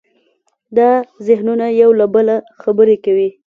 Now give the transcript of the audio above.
دا ذهنونه یو له بله خبرې کوي.